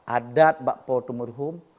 adat yang diberikan oleh orang tua